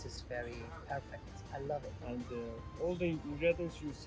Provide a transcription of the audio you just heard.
semua makanan yang anda lihat disini kami menempatkan semua di potri